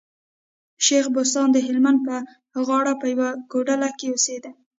شېخ بستان د هلمند په غاړه په يوه کوډله کي اوسېدئ.